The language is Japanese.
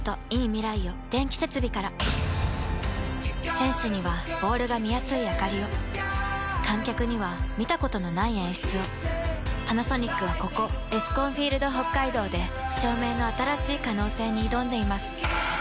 選手にはボールが見やすいあかりを観客には見たことのない演出をパナソニックはここエスコンフィールドＨＯＫＫＡＩＤＯで照明の新しい可能性に挑んでいます